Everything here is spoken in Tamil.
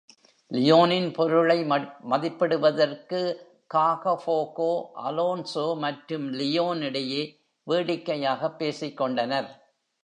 லியோனின் பொருளை மதிப்பிடுவதற்கு காகஃபோகோ, அலோன்சோ மற்றும் லியோன் இடையே வேடிக்கையாகப் பேசிக்கொண்டனர்.